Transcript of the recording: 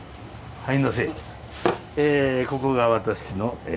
はい。